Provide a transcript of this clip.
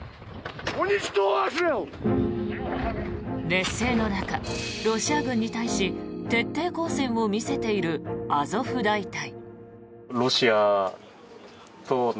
劣勢の中、ロシア軍に対し徹底抗戦を見せているアゾフ大隊。